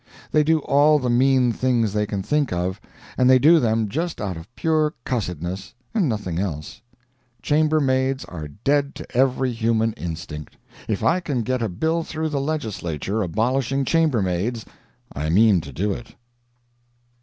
They do all the mean things they can think of, and they do them just out of pure cussedness, and nothing else. Chambermaids are dead to every human instinct. If I can get a bill through the legislature abolishing chambermaids, I mean to do it.